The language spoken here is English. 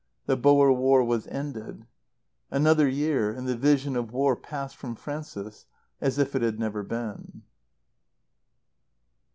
The Boer War was ended. Another year, and the vision of war passed from Frances as if it had never been.